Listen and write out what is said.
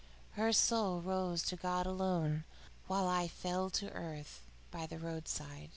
Her soul rose alone to God, while I fell to earth by the roadside."